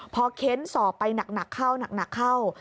พอเค้นสอบไปหนักเข้าหนักเข้า